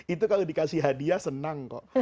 itu kalau dikasih hadiah senang kok